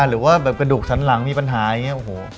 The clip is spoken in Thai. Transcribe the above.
หรือว่ากระดูกชั้นหลังมีปัญหาอย่างนี้